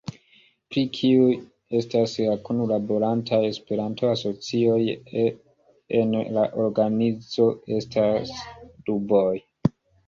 Pri kiuj estas la kunlaborantaj Esperanto-asocioj en la organizo estas duboj.